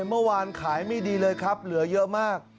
เมื่อวานขายไม่ดีเลยครับเหลือเยอะมาก